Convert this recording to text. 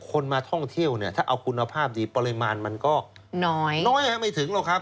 คนมาท่องเที่ยวเนี่ยถ้าเอาคุณภาพดีปริมาณมันก็น้อยน้อยไม่ถึงหรอกครับ